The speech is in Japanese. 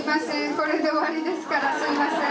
これで終わりですからすいません。